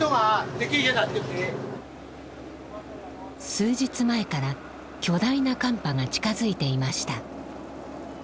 数日前から巨大な寒波が近づいていました。